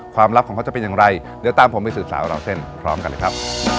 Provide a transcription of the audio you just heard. ลับของเขาจะเป็นอย่างไรเดี๋ยวตามผมไปสืบสาวราวเส้นพร้อมกันเลยครับ